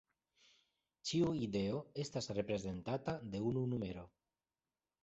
Ĉiu ideo estas reprezentata de unu numero.